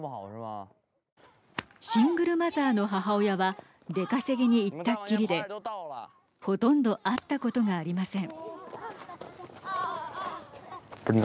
シングルマザーの母親は出稼ぎに行ったきりでほとんど会ったことがありません。